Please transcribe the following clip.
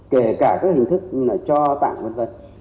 kể cả các hình thức như là cho tặng v v